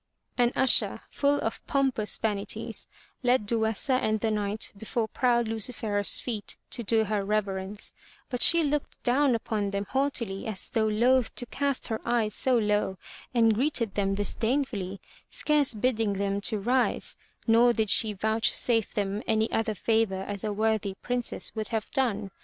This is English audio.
An usher, full of pompous vanities, led Duessa and the Knight before proud Lucifera^s feet to do her reverence, but she looked down upon them haughtily as though loath to cast her eyes so low and greeted them disdainfully, scarce bidding them to rise, nor did she vouchsafe them any other favor as a worthy Princess 24 FROM THE TOWER WINDOW would have done.